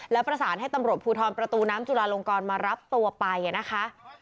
แล้วประสานให้ตำรวจภูทรประตูน้ำจุลาลงกรมารับตัวไปนะคะ